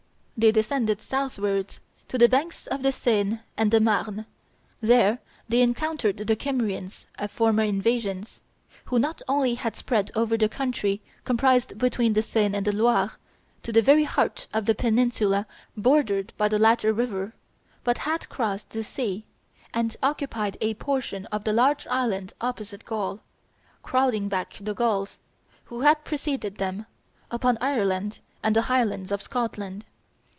They descended southwards, to the banks of the Seine and the Marne. There they encountered the Kymrians of former invasions, who not only had spread over the country comprised between the Seine and the Loire, to the very heart of the peninsula bordered by the latter river, but had crossed the sea, and occupied a portion of the large island opposite Gaul, crowding back the Gauls, who had preceded them, upon Ireland and the highlands of Scotland.